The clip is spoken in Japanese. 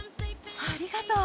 ありがとう！